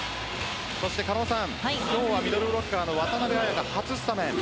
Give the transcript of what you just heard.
狩野さん、今日はミドルブロッカーの渡邊彩が初スタメン。